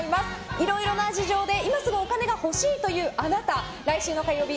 いろいろな事情で今すぐお金が欲しいというあなた来週の火曜日